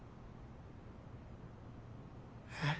えっ？